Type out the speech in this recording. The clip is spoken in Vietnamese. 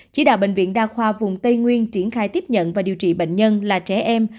chỉ đạo bệnh viện đa khoa vùng tây nguyên triển khai tiếp nhận và điều trị bệnh nhân là trẻ em